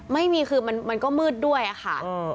ไม่มีคือมันก็มืดด้วยค่ะ